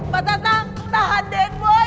pak tatang tahan den boy